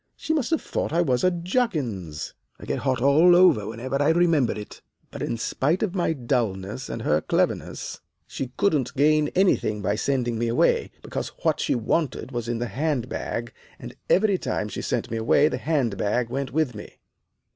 She must have thought I was a Juggins. I get hot all over whenever I remember it. But in spite of my dulness, and her cleverness, she couldn't gain anything by sending me away, because what she wanted was in the hand bag and every time she sent me away the hand bag went with me.